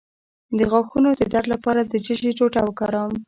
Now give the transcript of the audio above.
د غاښونو د درد لپاره د څه شي ټوټه وکاروم؟